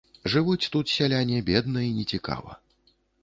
Жывуць тут сяляне бедна і нецікава.